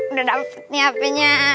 udah dapet nih hpnya